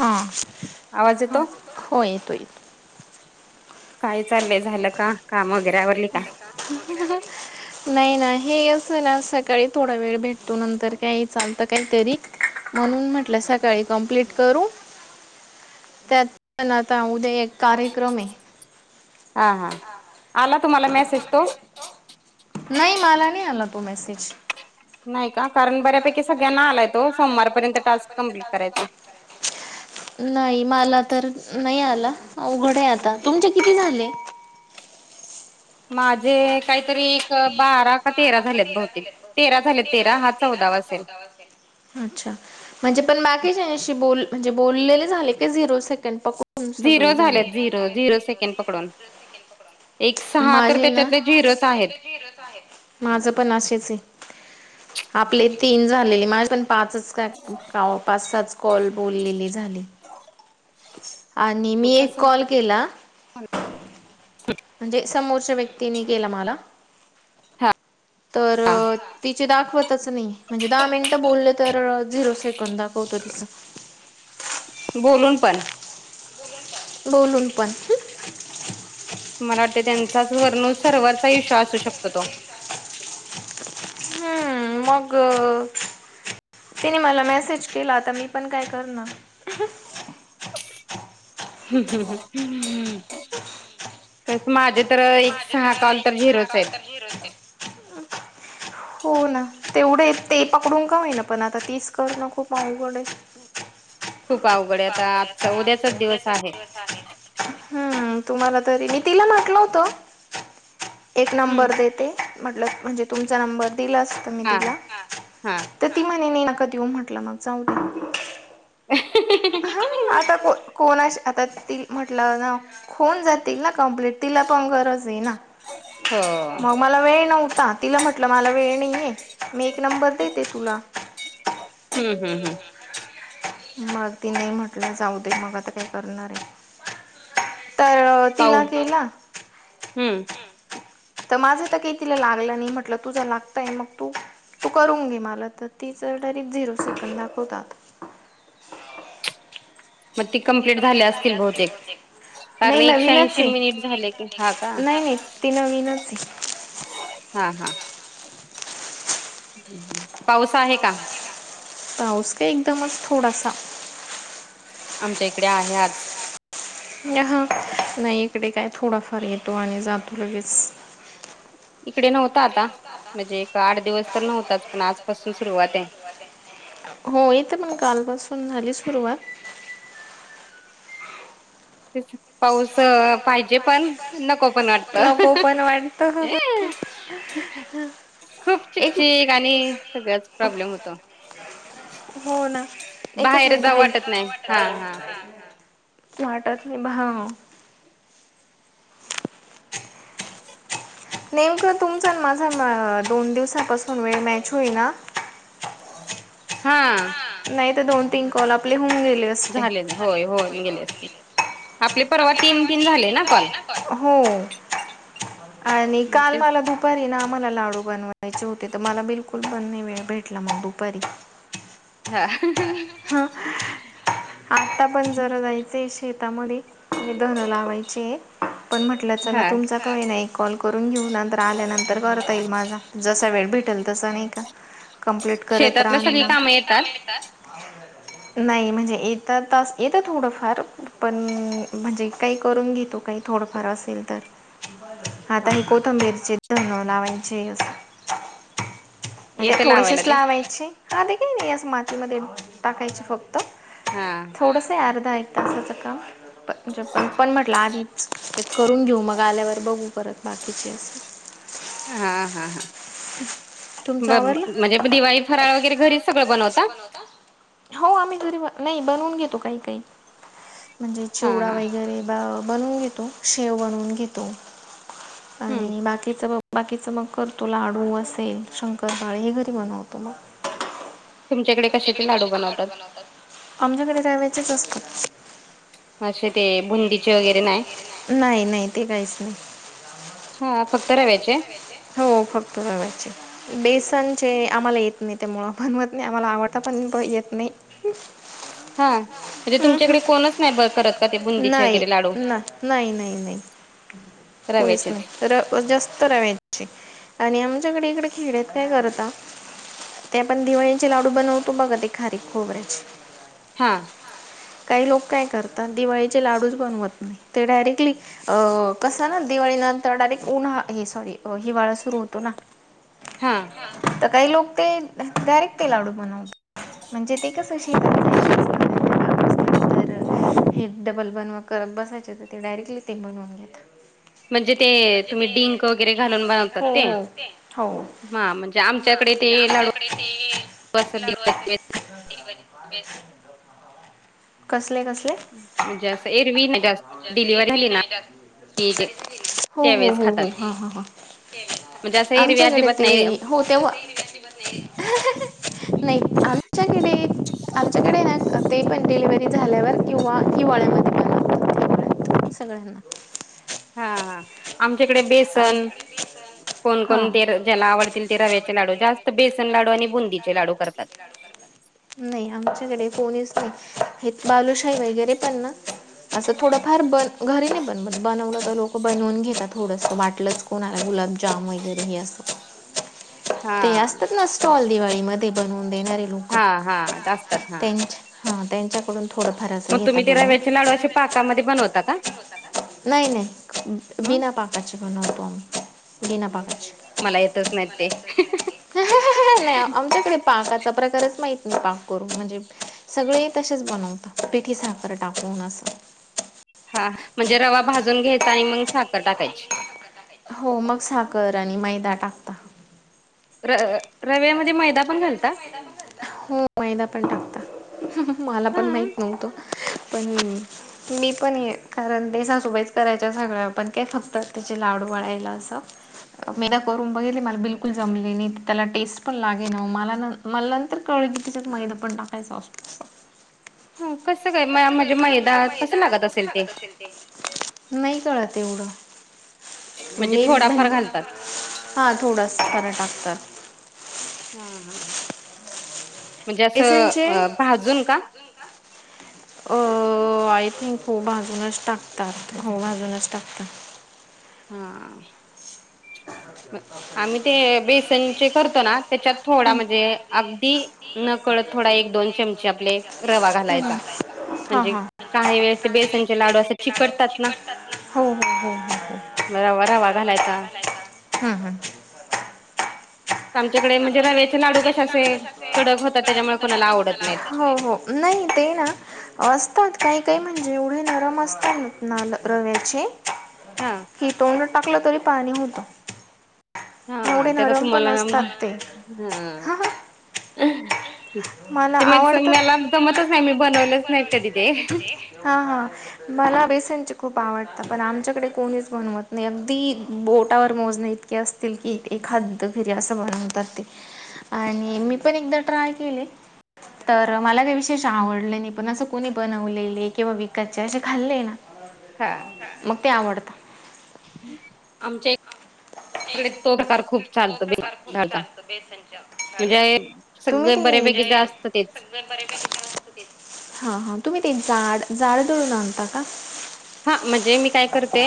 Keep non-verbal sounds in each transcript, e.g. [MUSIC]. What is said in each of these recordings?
हां. आवाज येतो? हो. येतोय, येतो. काही चाललंय. झालं का? काम वगैरे आवरली का? [UNINTELLIGIBLE] नाही ना. हे अस ना, सकाळी थोडा वेळ भेटतो. नंतर काही चालतं काही तरी. म्हणून म्हटलं, सकाळी कंप्लीट करू. त्यात पण आता, उद्या एक कार्यक्रमय. हां हां आला तुम्हाला मेसेज तो नाही मला नाही आला तो मेसेज नाही का कारण बऱ्यापैकी सगळ्यांना आलाय तो सोमवारपर्यंत टास्क कमप्लीट करायचा नाही मला तर नाही आला उघड आता तुमचे किती झाले माझे काहीतरी एक बारा का तेरा झालेत नवती तेरा झाल्यात तेरा हा दवाच अच्छा म्हणजे पण बाकीच्याशी ब म्हणजे बोललेले झाले झिरो सेकंड पक झिरो झालेत झिरो झिरो सेकंड पकडून एक सहा तर माझे त्याच्यातले झिरच आहेत माझ पण असेच आहे आपले तीन झालेले माझ पण पाचच का का पाच सच कॉल बोललेली झाली आणि मग मी एक कसं कॉल केला म्हणजे समोरच्या व्यक्तीनी केला मला तर हां तिचे दाखवतच नाही म्हणजे दहा मिनिट बोलले तर झिरो सेकंड दाखवत तिच बोलून पण बोलून पण मला वाटतं त्यांचाच वर्णू सर्वरचा विश्वा असू शकतो तो हम्म मग तिने मला मेसेज केला आता मी पण काय करणार हम्म हम् ह हम् [INAUDIBLE] कस माझे तर एक सहा कॉल तर झिरोच आहेत इरतेे [INAUDIBLE] हो ना तेवढे ते पकडून का आहे ना पण आता तीस करन खूप अवकडे खूप आवघड आहे खूप आता आजचा उद्याचाच आवघड उद्याचा दिवस आहे हम्म तुम्हाला तरी मी तिला म्हटलं होत एक हम्म. नंबर देते म्हटल म्हणजे तुमचा नंबर दिलास मी हां, तला हां. तर ती म्हणे न नका देऊ म्हटलं मग जाऊ दे हा आता को कोणाशी आता त म्हटलं ना होऊन जातील ना कंप्लीट तिला पण गरज आहे ना हो. मग मला वेळ नव्हता तिला म्हटलं मला वेळ नाही आहे मी एक नंबर देते तुला हम्म हम्म हम्म मग ती नाही म्हटलं जाऊ दे मग आता काय करणार आहे तर तला केला हम्म तर माझं तर काही तिला लागलं नाही म्हटलं तुझं लागतंय मग तू तू करून घे मला तर तीच डायरेक्ट झिरो सेकंड दाखवतात मग ती कंम्प्लीट झाली असतील बहुतेक कारण नाही नवीनच एकशेऐंशी आहे. मिनिट झाले की हा का नाही नाही ती नवीनच आहे. हा हा पावस आहे का पाऊस का एकदमच थोडासा आमच्या इकडे आहे आज म्हणज हा नाही इकडे काय थोडाफार येतो आणि जातो लगेच इकडे नव्हता आता म्हणजे एक आठ दिवस तर नव्हताच पण आजपासून सुरुवात आहे हो येत पण कालपासून झाली सुरुवात पाऊस पाहिजे पण नको पण वाटत. नको पण वाटत खूप चिक एक चिक आणि सगळ्याच प्रॉब्लेम होतो. हो ना एकच बाहेर मिनिट जाऊ वाटत नाही हा हा होलड. [UNINTELLIGIBLE] [INAUDIBLE] नेमकं तुमचा माझा दोन दिवसापासून वेळ मॅच होईना. हा. नाही तर दोन तीन कॉल आपले होऊन गेले अस झाले ना होय होन गेले असते आपले परवा तीन तीन झाले ना कॉल हो आणि काल तेच मला दु दुपारी ना आम्हाला लाडू बनवायचे होते तर मला बिलकुल पण वेळ भेटला मग दुपारी हा. हां [UNINTELLIGIBLE] जायचंय शेतामध्ये आणि धन लावायचे पण म्हटलं हा चला तुमचा का नाही कॉल करून घेऊ नंतर आल्यानंतर करता येईल माझा जसा वेळ भेटेल तस नाही का कंप्लीट करत शेतातला सगळी राहण कामं येतात म्ह [INAUDIBLE] नाही म्हणजे येत तास येत थोडंफार पण म्हणजे काही करून घेतो काही थोडंफार असेल तर आता हा हे हा कोथंबीरचे दोन लावायचे म्हणजे येतं लावायला थोडेसेच ते लावायचे हा देखील नाही अस मातीमध्ये टाकायचे फक्त हा. थोडंसं अर्धा एक तासाचं काम पणणजे पण पण म्हटलं आधी करून घेऊ मग आल्यावर बघू परत बाकीचे. हा हा हा हा. ब तुमचं आवरलं म्हणजे दिवाळी फराळ वगैरे घरी सगळं बनवता. हो आम्ही घरी नाही बनवून घेतो काही काही म्हणजे हा चिवडा हा वगैरे बनवून घेतो शेव बनवून घेतो. हम्म आणि बाकीच मग बाकीच मग करतो लाडू होऊ असेल शंकर बाळे हे घरी बनवतो म. कशाचे तुमच्याकडे लाडू कशाचेडू बनवतात बनवतात आमच्याकडे रव्याचेच असतात. असे ते बुंदीचे वगैरे नाही नाही नाही ते काहीच नाही. हा फक्त रव्याचे. हो फक्त रव्याचे. बेसनचे आम्हाला येत नाही त्यामुळं बनवत नाही आम्हाला आवडता पण येत नाही. हा [UNINTELLIGIBLE] म्हणजे हम्म तुमच्याकडे कोणच नाही ब करत का ते हम्म बुंदीचे नाही वगैरे लाडू ना नाही नाही नाही. [UNINTELLIGIBLE] रव्याचेच. तर जास्त रव्याचे. आणि आमच्याकडे इकडे खीरेत आहेत काय करता. ते आपण दिवाळीचे लाडू बनवतो बघा ते खारी खोबरेच हां. काही लोक काय करतात दिवाळीचे लाडूच बनवत नाही ते डायरेक्टली अ कस ना दिवाळी नंतर डायरेक्ट उन्हा हे सॉरी हिवाळा सुरू होत हो ना. हा. तर काही लोक ते डायरेक्ट ते लाडू बनवतात म्हणजे ते कस श तर हे डबल बनवा करत बसायचे तर ते डायरेक्टली ते बनवून घेतात. म्हणजे ते तुम्ही डिंक वगैरे घालून बनवतात हो ते हो हो. हा म्हणजे हा म्हणजे आमच्याकडे ते त कसले कस म्हणजे असं एरवी नाही जास्त डिलिव्ही झाली ना हे हो हो त्यावेेळेस हो हो खातात हां हां हां म्हणजे असं हे आमच्याकडे रवयाजीबत ते नाही हो तेव्हा नाही आमच्याकडे आमच्याकडे ना ते पण डिलिव्हरी झाल्यावर युवा हिवाळ्यामध्येध पला सगळ्यांना हा हा आमच्याकडे बेसन कोणकण हां ते ज्याला आवडतील ते रव्याचे लाडू जास्त बेसन लाडू आणि बुंदीचे लाडू करतात. नाही आमच्याकडे फोनच नाही हे बालूशाही वगैरे पण ना. असं थोडंफार बन घरी नाही बन बनवलं तर लोक बनवून घेतात थडस वाटलं. कोणाला गुलाबजाम वगैरे हे असत. हा ते असतात ना स्टॉल दिवाळी मध्ये बनवून देणार रे हा हा असतात हा त्यांच्याकडून थोड मग तुम्ही ते रव्याचे लाडू असे पाकामध्ये बनवता का नाही नाही मग बना पकचे कोणतम बिना पाकचे मला येतच नाही ते. नाही आमच्याकडे पाकाचा प्रकारच माहत नाही पाक करून म्हणजे सगळे तसेच बनवतात पेठी साखर टाकून असत हा म्हणजे रवा भाजून घ्यायचा आणि मग साखर टाकायची हो मग साखर आणि मैदा टाकता. र रव्यामध्ये मैदा पण घालता हो मैदा पण टाकता मला हा पण माहित नव्हतो पण. मी पण ये कारण देसाासोबेच करायच्या सगळ्या पण काय फक्त त्याचे लाडू वळाायला असं. मीदा करून बघितली मला बिलकुल जमलेली त्याला टेस्ट पण लागे ना मला मला तर कळगी तिच्यात मैदा पण टाकायचां असतो. ह कसं काय म्हणजे मैदाात कसं लागत असेल ते. नाही कळत तेवढं म्हणजे मे थोडाफार म्ह घालतात. हा थोडा खारं टाकतात हा हा म्हणजे बेसनचे असं भाजून का अ आय थिंक हो भाजूनच टाकतात होऊ बाजूनच टाकतात हा आम्ही ते बेसनचे करतो ना त्याच्यात थोडा म्हणजे अगदी नकळत थोडा एक दोन चमचे आपले रवा घालायचा हां म्हणजे हां. काही वेळेस ते बेसनचे लाडू असे चिकडतात ना हो हो हो हो हो रवा रवा घालायचा हम्म हम्म. म्हणजे आमच्याकडे रव्याचे लाडू कसे असे म्हणजेमुळेव कडक होतात त्याच्यामुळे कोणाला आवडत नाहीत हो नाही ते ना असतात काही काही म्हणजे एवढे नरम असतात ना रव्याचे हा हिटवून टाकलं तरी पाणी होतं हा एवढे त्याचा नरम पण तुम्हाला हा असतात ते. हा हा मला ते म आवडतात मला जमतच नाही मी बनवलंच नाही कधी ते हा हा मला बेसन खूप आवडत पण आमच्याकडे कोणीच बनवत नाही अगदी बोटावर मोज नाही असतील किी ते खाद फिरी असं बनवतात ते आणि मी पण एकदा ट्राय केले तर मला का विशेष आवडलं नाही पण असं कोणी बनवलेले किंवा विकचे असे खाल्लेय ना हा मग ते आवडतं आमच्या इकडे तो प्रकार खूप तो चालतो बे प्रकार खूप डाळचा चालतो बेसनच्या लाडू म्हणजे सगळे तुम्ही बऱ्यापैकी जास्त तेच. हा हा तुम्ही तेड जाड दळून आणता का हा म्हणजे मी काय करते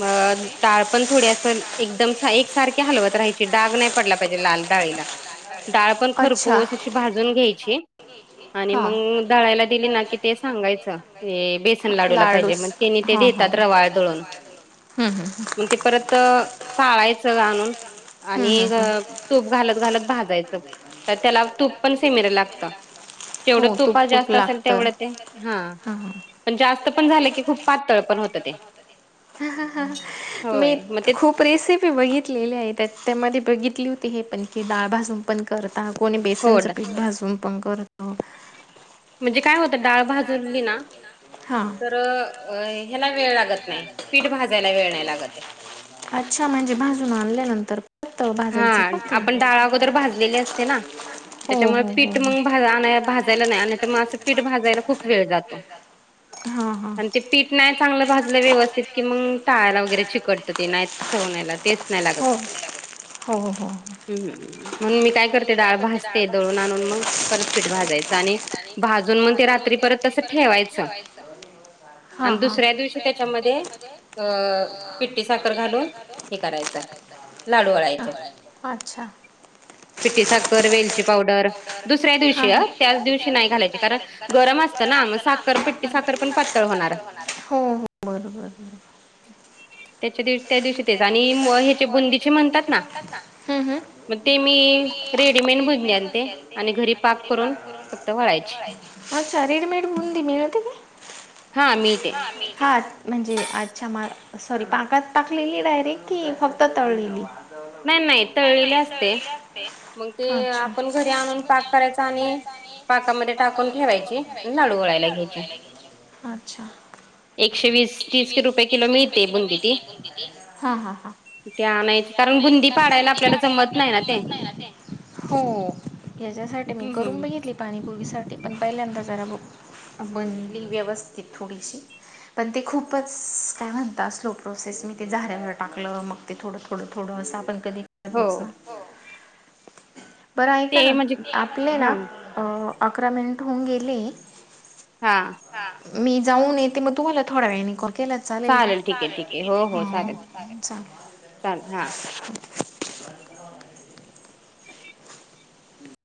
मग डाळ पण थोडी असं एकदम एक सारखी हलवत राहायची डाग नाही पडला पाहिजे लाल डाळीला डाळ पण अच्छा खरपूस अशी भाजून घ्यायची आणि हां मग धळायला दिली ना की ते सांगायचं बेसन लाडूला पाहिजे लाडूस मण म ते हां हां देतात हां र वाळ दळून हं हं मग ते परत चाळायचं घणून हं हं आणि हं तूप घालत घालत भाजायचं का त्याला तूप पण सेमर लागत जेवढ हो तूप तुप खूप जास्त असेल लागतं तेवढ ते हा हां पण जास्त पण झालं की खूप पातळ पण होत ते मी होय मग ते खूप रेसिपी बघितलेली आहे त्या त्यामध्ये बघितली होती हे पणखी डाळ भाजून पण करता कोणी हो बेसनचं पीठ भाजून पण करत म्हणजे काय होतं डाळ भाजूनली ना हां तर अ ह्याला वेळ लागत नाही पीठ भाजायला वेळ नाही लागत अच्छा म्हणजे भाजून आणल्यानंतर परत हा भाजायचं का ते आपण डाळा अगोर भाजलेले असते ना हो त्याच्यामुळे हो हो हो पीठ नाही मग भाजायला नाही आणि तर मग असं पीठ भाजायला खूप वेळ जातो हा हा आणि ते पीठ नाही चांगलं भाजलं व्यवस्थित कि मग टाळायला वगैरे चिकडतं ते नाही सवनायला तेच नाही हो हो हम् म्हणून मी काय डाळ भजते दळून आणून मग परतपीठ भाजायचं आणि भाजून मग ते रात्री परत तस ठेवायचं हां आणि हां दुसऱ्या दिवशी त्याच्यामध्ये अ पिट्टी साखर घालून हे करायचं लाडू वळायचे अच्छा पिठठी साखर वेलची पावडर हा, दुसऱ्या दिवशी हा. अ त्याच दिवशी नाही घालायची कारण गरम असतं ना मग साखर पट्टी साखर पण पातळ होणार बरं बरं ब त्याच्या दिवशी त्या दिवशी तेच आणि ह्याचे बुंदीचे म्हणतात ना हम् हम मग ते मी रेडीमेड बन आणते आणि घरी पाक करून फक्त वळायचे अच्छा रेडमेड बंदी मिळ होती की हा मिळते हा म्हणजे आजच्या मा सॉरी पाकात पाकलेली डायरेक्ट कि फक्त तळलेली नाही नाही तळलेले नाही त असते ला असते मग ते अच्छ आपण घरी आणून पाक करायचा आणक करायच आणि पाकामध्ये कामध्ये टाकून ठेवायची आणि लाडू वळायला घ्यायचे फरायचीडूला घ्याय्छ एकशे वीस तीस की रुपये किलो मिळते बणंद त हां हां हां ते आणयच कारण बुंदी पाडायला आपल्याला जमत नाही ना ते हो याच्यासाठी मी करून बघितली पाणीपुरी साठी पण पहिल्यांदा जरा बघ बनली व्यवस्थित थोडीशी पण ते खूपच काय म्हणतात स्लो प्रोसेस मी ते झाऱ्यावर टाकलं मग ते थोडं थोडं थोडं असं आपण कधी करत हो बसणार बरं ऐका ते ना म्हणजे आपले ना हा अकरा मिनिट होऊन गेले हा मी जाऊन येते मग तुम्हाला थोडा वेळ इनकॉल केलाच चालेल का ठीक आहे ठीक आहे हो हो चालेल चाल हा